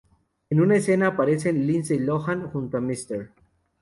En una escena aparecen Lindsay Lohan junto a Mr.